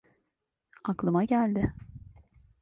Aklıma geldi.